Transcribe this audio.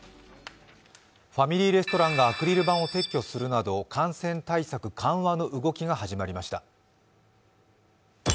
ファミリーレストランがアクリル板を撤去するなど感染対策緩和の動きが始まりました。